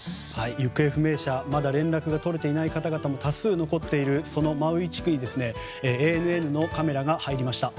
行方不明者まだ連絡が取れていない方々も多数残っているそのマウイ地区にＡＮＮのカメラが入りました。